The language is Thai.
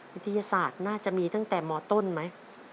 วิทยาศาสตร์น่าจะมีตั้งแต่มต้นไหม